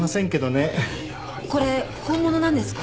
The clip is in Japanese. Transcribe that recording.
これ本物なんですか？